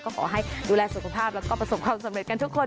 ก็ขอให้ดูแลสุขภาพแล้วก็ประสบความสำเร็จกันทุกคน